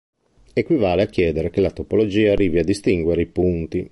Equivale a chiedere che la topologia arrivi a "distinguere" i punti.